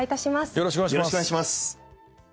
よろしくお願いします。